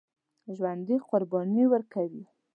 ژوندي قرباني ورکوي